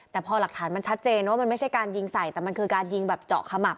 แต่พอหลักฐานมันชัดเจนว่ามันไม่ใช่การยิงใส่แต่มันคือการยิงแบบเจาะขมับ